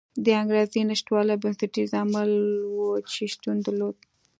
د انګېزې نشتوالی بنسټیز عامل و چې شتون درلود.